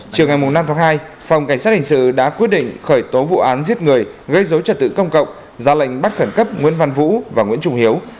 chiều ngày năm tháng hai phòng cảnh sát hình sự đã quyết định khởi tố vụ án giết người gây dối trật tự công cộng ra lệnh bắt khẩn cấp nguyễn văn vũ và nguyễn trung hiếu